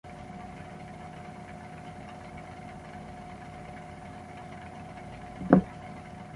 It provides hardware and software for connected operations.